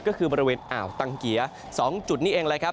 ก็คือบริเวณอ่าวตังเกียร์๒จุดนี้เองเลยครับ